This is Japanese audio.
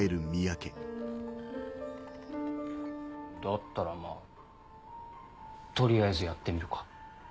だったらまぁ取りあえずやってみるか。